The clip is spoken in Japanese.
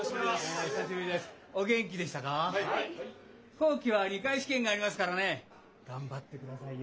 後期は２回試験がありますからね頑張ってくださいよ。